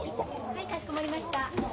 はいかしこまりました。